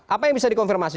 apa yang bisa dikomunikasi